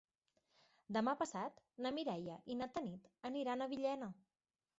Demà passat na Mireia i na Tanit aniran a Villena.